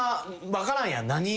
分からんやん。